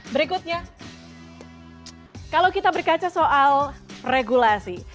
berikutnya kalau kita berkaca soal regulasi